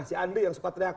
si andri yang suka teriak